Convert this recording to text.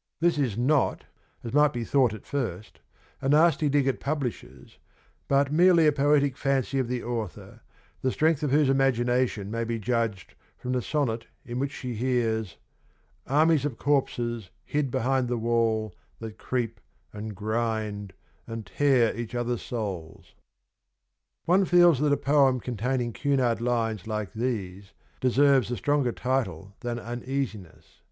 ... This is not (as might be thought at first) a nasty dig at publishers, but merely a poetic fancy of the author, the strength of whose imagination may be judged from the sonnet in which she hears Armies of corpses hid behind the wall That creep and grind and tear each other's souls. One feels that a poem containing Cunard lines like these deserve a stronger title than ' Uneasiness.'